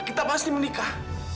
kita pasti menikah